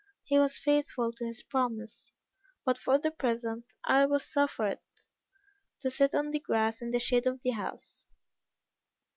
He was faithful to his promise; but, for the present, I was suffered to sit on the grass in the shade of the house.